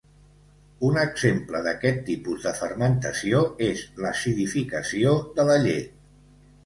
Un exemple d'aquest tipus de fermentació és l'acidificació de la llet.